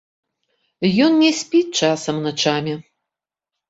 Ён не спіць часам начамі.